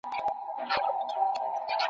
دوی به له بدو ملګرو څخه ځانونه په کلکه ژغورل.